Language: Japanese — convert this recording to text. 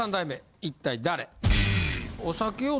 一体誰。